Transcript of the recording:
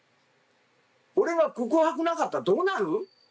俺の告白なかったらどうなる？